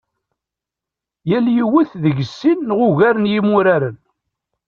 Tal yiwet deg-s sin neɣ ugar n yimuraren.